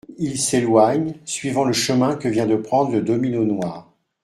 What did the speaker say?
Il s'éloigne, suivant le chemin que vient de prendre le domino noir.